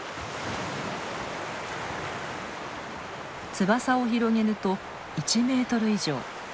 翼を広げると１メートル以上。